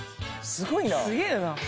「すごいな」